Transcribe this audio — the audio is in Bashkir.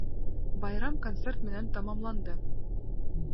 Байрам концерт менән тамамланды.